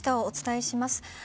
お伝えします。